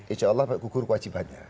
insya allah bergugur kewajibannya